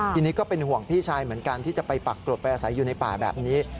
ทีนี้ก็เป็นห่วงพี่ชายเหมือนกันที่จะไปปรากฏไปอาศัยอยู่ในป่าแบบนี้